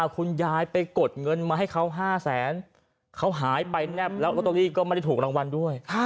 เขาหายไปแนบล็อตเตอรี่ก็ไม่ได้ถูกรางวัลด้วย